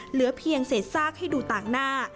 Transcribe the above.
เหลือเพียงเศษซากให้ดูต่างหน้า